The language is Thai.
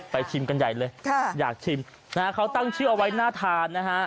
ชิมกันใหญ่เลยอยากชิมนะฮะเขาตั้งชื่อเอาไว้น่าทานนะฮะ